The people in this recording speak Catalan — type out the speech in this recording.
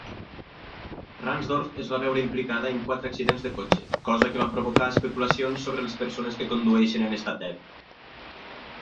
Ransdorf es va veure implicada en quatre accidents de cotxe, cosa que va provocar especulacions sobre les persones que condueixen en estat ebri.